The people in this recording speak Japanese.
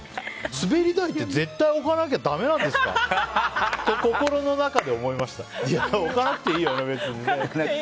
滑り台って絶対置かなきゃだめなんですか？と心の中で思いました。